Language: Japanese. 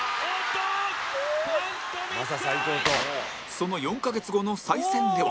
その４カ月後の再戦では